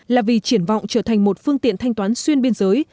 là vì triển vọng trở thành một phương tiện thanh toán xuyên biên giới